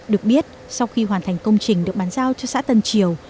được biết sau khi hoàn thành công trình được bán giao cho xã tân triều